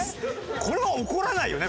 これは怒らないよね